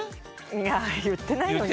いや言ってないよね。